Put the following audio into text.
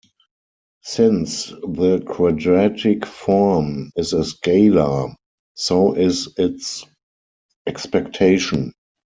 Since the quadratic form is a scalar, so is its expectation.